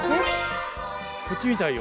こっちみたいよ。